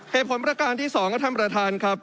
เหตุผลประการที่สองท่านประธานครับ